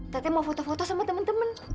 teteh mau foto foto sama temen temen